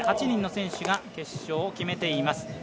８人の選手が決勝を決めています。